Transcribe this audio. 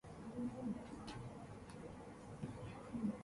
Once in control he set about fortifying the city.